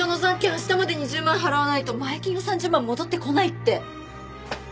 明日までに１０万払わないと前金の３０万戻ってこないって。